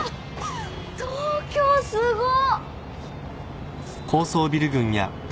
東京すごっ！